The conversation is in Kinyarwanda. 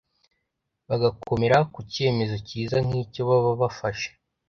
bagakomera ku kemezo kiza nk’icyo baba bafashe.